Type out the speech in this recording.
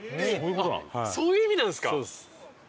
あっそういう意味なんですか。